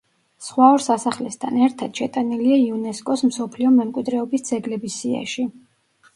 სხვა ორ სასახლესთან ერთად შეტანილია იუნესკოს მსოფლიო მემკვიდრეობის ძეგლების სიაში.